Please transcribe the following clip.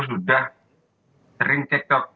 sudah sering cek cok